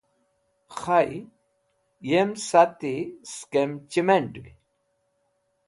Khay, yem sati skem chimend̃g.